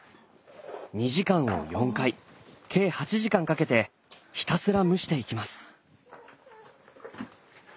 ２時間を４回計８時間かけてひたすら蒸していきます。